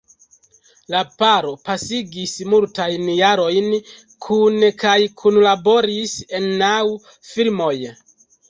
La paro pasigis multajn jarojn kune kaj kunlaboris en naŭ filmoj.